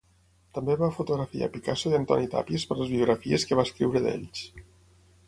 També va fotografiar Picasso i Antoni Tàpies per les biografies que va escriure d'ells.